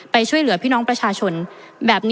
ประเทศอื่นซื้อในราคาประเทศอื่น